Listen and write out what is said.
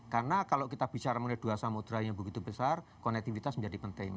karena kalau kita bicara mengenai dua samudera yang begitu besar konektivitas menjadi penting